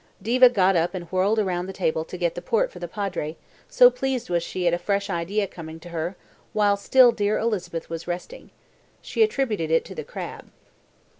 Diva got up and whirled round the table to get the port for the Padre, so pleased was she at a fresh idea coming to her while still dear Elizabeth was resting. She attributed it to the crab.